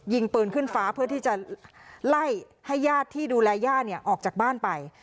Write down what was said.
ยิงปืนขึ้นฟ้าเพื่อที่จะไล่ให้ญาติที่ดูแลย่าเนี่ยออกจากบ้านไป